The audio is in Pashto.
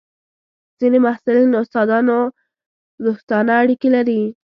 ځینې محصلین له استادانو دوستانه اړیکې لري.